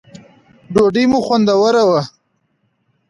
ډوډی مو خوندوره وه